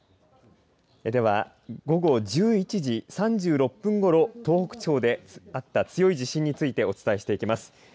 では午後１１時３６分ごろ東北地方であった強い地震についてお伝えしていきます。